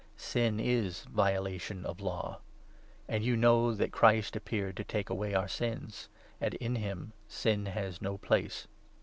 Sin is violation of Law. And 5 Live*. you know that Christ appeared to take away our sins ; and in him Sin has no place.